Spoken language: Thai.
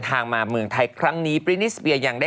เขาทำขนาดนั้นเลยเหรอคะ